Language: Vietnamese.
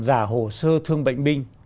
giả hồ sơ thương bệnh binh